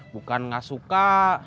bukan gak suka